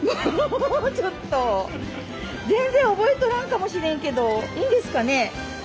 全然覚えとらんかもしれんけどいいんですかね？